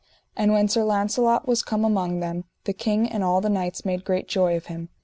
And when Sir Launcelot was come among them, the king and all the knights made great joy of him.